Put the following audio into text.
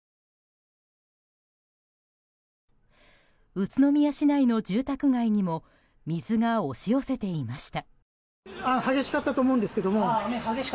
宇都宮市内の住宅街にも水が押し寄せていました。